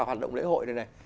hoạt động lễ hội này này